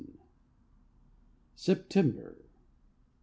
96 SEPTEMBER.